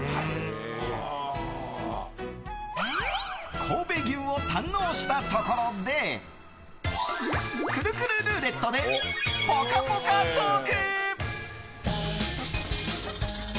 神戸牛を堪能したところでくるくるルーレットでぽかぽかトーク。